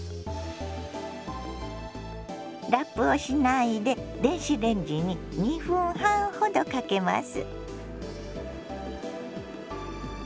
ラップをしないで電子レンジに２分半ほどかけます。